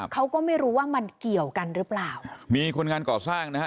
เขาก็ไม่รู้ว่ามันเกี่ยวกันหรือเปล่ามีคนงานก่อสร้างนะฮะ